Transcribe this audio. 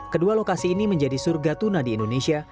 kedua lokasi ini menjadi surga tuna di indonesia